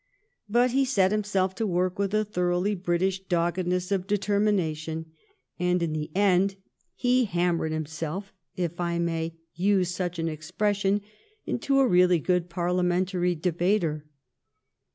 But he set himself to work with a thoroughly British doggedness of determination, and in the end he hammered himself, if I may use such an expression, into a really good Parlia mentary debater.